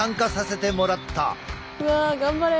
うわ頑張れ！